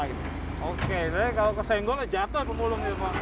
oke kalau kesenggol jatuh pemulung itu pak